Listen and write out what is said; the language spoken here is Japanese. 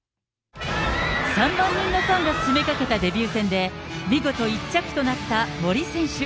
３万人のファンが詰めかけたデビュー戦で、見事１着となった森選手。